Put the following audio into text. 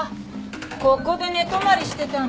ここで寝泊まりしてたんだね。